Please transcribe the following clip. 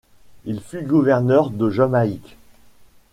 Il fut gouverneur de Jamaïque.